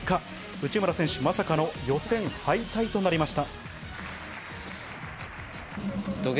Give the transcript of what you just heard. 内村選手、まさかの予選敗退となりました。